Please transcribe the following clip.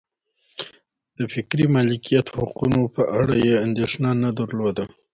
د فکري مالکیت حقونو په اړه یې اندېښنه نه درلوده.